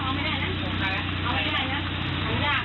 หลอกในร้านหลอกป้าใช่ไหม